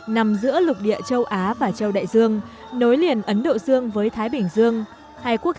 nằm giữa lục địa châu á và châu đại dương nối liền ấn độ dương với thái bình dương hai quốc